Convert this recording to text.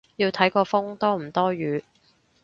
要睇個風多唔多雨